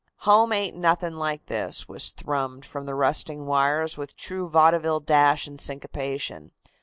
"Home Ain't Nothing Like This" was thrummed from the rusting wires with true vaudeville dash and syncopation.